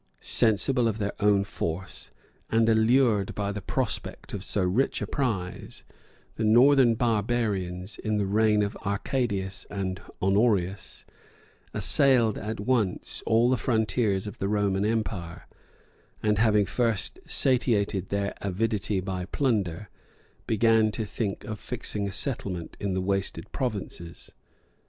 Sensible of their own force, and allured by the prospect of so rich a prize, the northern barbarians, in the reign of Arcadius and Honorius, assailed at once all the frontiers of the Roman empire; and having first satiated their avidity by plunder, began to think of fixing a settlement in the wasted provinces.